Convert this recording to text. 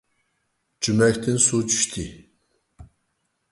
جۈمەكتىن سۇ چۈشتى.